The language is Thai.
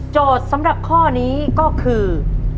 โจทย์สำหรับข้อนี้ก็คือ